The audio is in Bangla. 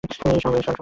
এর সবই বাস্তব?